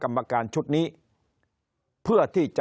คนในวงการสื่อ๓๐องค์กร